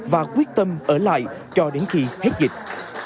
và quyết tâm ở lại cho đến khi hết dịch